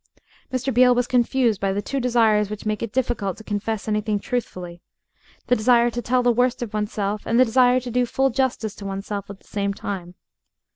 Mr. Beale was confused by the two desires which make it difficult to confess anything truthfully the desire to tell the worst of oneself and the desire to do full justice to oneself at the same time.